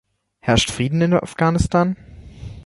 Herrscht Frieden in Afghanistan?